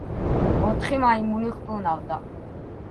ოთხი მაიმუნი ხტუნავდა.